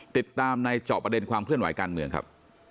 ติดตามในเจาะประเด็นความเคลื่อนไหวการเมืองครับ